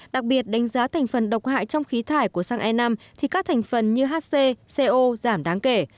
đặc biệt đánh giá thành phần độc hại trong khí thải của xăng e năm thì các thành phần như hc co giảm đáng kể